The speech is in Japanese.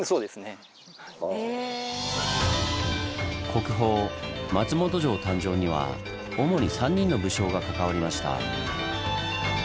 国宝松本城誕生には主に３人の武将が関わりました。